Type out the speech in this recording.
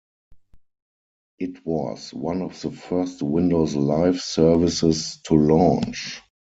It was one of the first Windows Live services to launch.